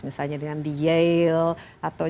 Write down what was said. misalnya dengan di yail atau